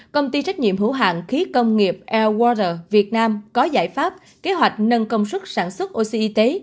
công ty trách nhiệm hữu hạng khí công nghiệp airwater việt nam có giải pháp kế hoạch nâng công suất sản xuất oxy y tế